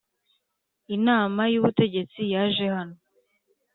Inama y Ubutegetsi yaje hano